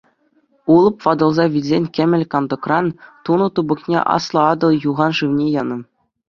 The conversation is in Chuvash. Улӑп ватӑлса вилсен кӗмӗл кантӑкран тунӑ тупӑкне Аслӑ Атӑл юхан шывне янӑ.